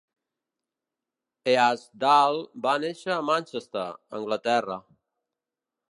Easdale va néixer a Manchester (Anglaterra).